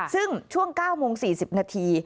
ซึ่งช่วง๙โมง๔๐นาที